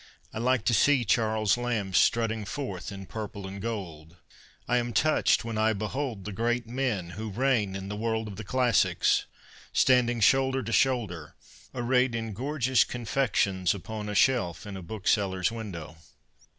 I like to see Charles Lamb strutting forth in purple and gold. I am touched when I behold the great men who reign in the ' world of the classics ' standing shoulder to shoulder, arrayed in ' gorgeous confections ' upon a shelf in a bookseller's window.